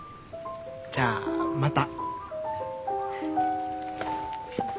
じゃあまた。